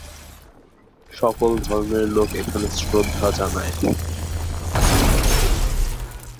সকল ধর্মের লোক এখানে শ্রদ্ধা জনায়।